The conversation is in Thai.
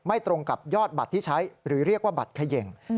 ตรงกับยอดบัตรที่ใช้หรือเรียกว่าบัตรเขย่ง